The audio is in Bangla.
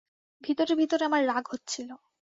ভিতরে ভিতরে আমার রাগ হচ্ছিল।